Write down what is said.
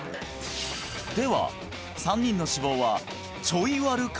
では３人の脂肪はちょいワルか？